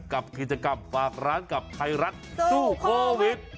กับกิจกรรมฝากร้านกับไทยรัฐสู้โควิด